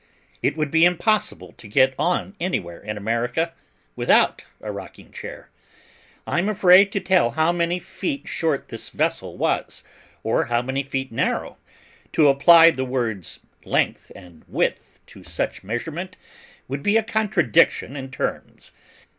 It would be impossible to get on anywhere, in America, without a rocking chair. I am afraid to tell how many feet short this vessel was, or how many feet narrow: to apply the words length and width to such measurement would be a contradiction in terms.